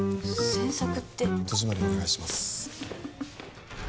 詮索って戸締まりお願いします